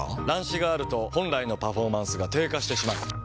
乱視があると本来のパフォーマンスが低下してしまう。